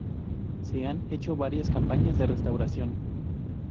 Se han hecho varias campañas de restauración.